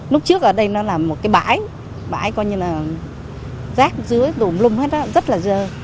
lúc trước ở đây nó là một cái bãi bãi coi như là rác dưới đùm lum hết đó rất là dơ